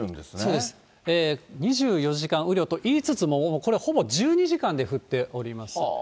そうです、２４時間雨量といいつつも、これ、ほぼ１２時間で降っております。